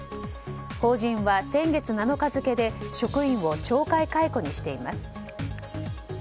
法人は先月７日付で職員を懲戒解雇にしています。